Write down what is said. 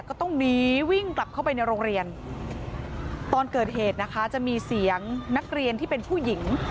ก็ต้องหนีวิ่งกลับเข้าไปในโรงเรียนตอนเกิดเหตุนะคะจะมีเสียงนักเรียนที่เป็นผู้หญิง